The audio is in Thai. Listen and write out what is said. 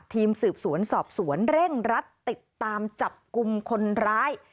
ทีมสืบสวนสอบสวนเร่งรัดติดตามจับกลุ่มคนร้าย